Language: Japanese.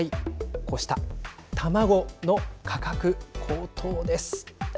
こうした卵の価格高騰です。